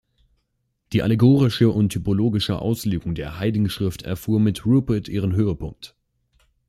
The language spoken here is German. Die allegorische und typologische Auslegung der Heiligen Schrift erfuhr mit Rupert ihren Höhepunkt.